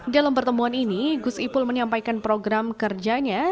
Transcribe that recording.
dalam pertemuan ini gus ipul menyampaikan program kerjanya